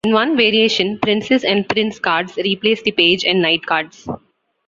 In one variation, princess and prince cards replace the page and knight cards.